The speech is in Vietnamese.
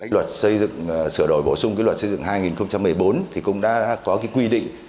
luật xây dựng sửa đổi bổ sung luật xây dựng hai nghìn một mươi bốn cũng đã có quy định